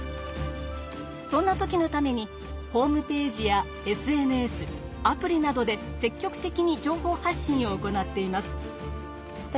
そんな時のためにホームページやＳＮＳアプリなどで積極的に情報発信を行っています。